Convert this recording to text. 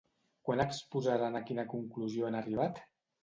Quan exposaran a quina conclusió han arribat?